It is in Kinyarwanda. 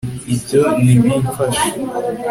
ibyo ntibimfasha